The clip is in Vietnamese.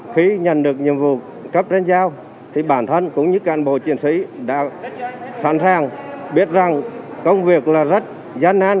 khi nhận được nhiệm vụ cấp trên giao thì bản thân cũng như cán bộ chiến sĩ đã sẵn sàng biết rằng công việc là rất gian nan